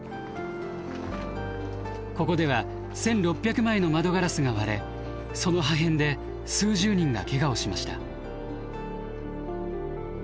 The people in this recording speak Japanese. ここでは１，６００枚の窓ガラスが割れその破片で数十人がけがをしました。